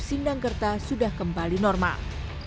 sindangkerta sudah kembali normal